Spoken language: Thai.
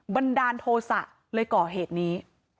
บันดาลโทษะเลยก่อเหตุนี้